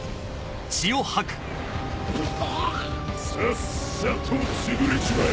さっさとつぶれちまえ！